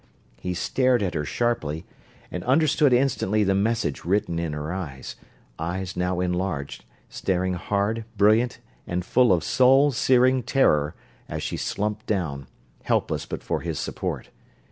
He stared at her sharply, and understood instantly the message written in her eyes eyes now enlarged, staring hard, brilliant, and full of soul searing terror as she slumped down, helpless but for his support.